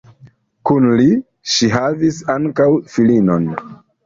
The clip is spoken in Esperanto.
Kun li ŝi havis ankaŭ filinon.